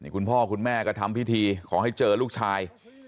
คุณพ่อคุณแม่ก็ทำพิธีขอให้เจอลูกชาย